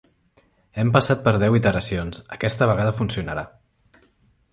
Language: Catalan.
Hem passat per deu iteracions, aquesta vegada funcionarà!